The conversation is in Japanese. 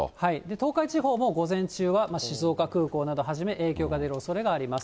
東海地方も午前中は静岡空港などをはじめ、影響が出るおそれがあります。